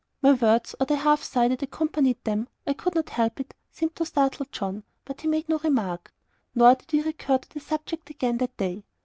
'" My words, or the half sigh that accompanied them I could not help it seemed to startle John, but he made no remark. Nor did we recur to the subject again that day.